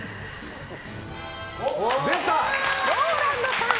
ＲＯＬＡＮＤさん